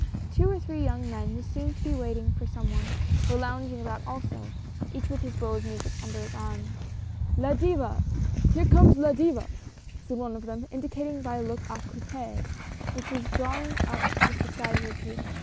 Two or three young men who seemed to be waiting for some one, were lounging about also, each with his roll of music under his arm. " La Diva ! Here comes La Diva," said one of them, indicating by a look a coupe which was drawing up at the side of the pavement.